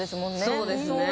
そうですね。